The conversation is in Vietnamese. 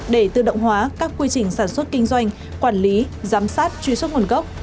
để tự động hóa các quy trình sản xuất kinh doanh quản lý giám sát truy xuất nguồn gốc